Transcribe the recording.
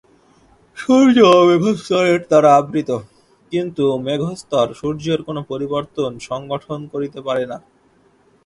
সূর্য মেঘস্তরের দ্বারা আবৃত, কিন্তু মেঘস্তর সূর্যের কোন পরিবর্তন সংঘটন করিতে পারে না।